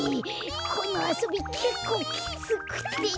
このあそびけっこうきつくて。